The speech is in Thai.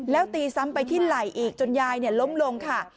แล้วตีซ้ำไปที่ไหล่อีกจนยายล้มลงค่ะ